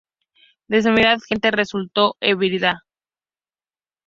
Demasiada gente resulto herida.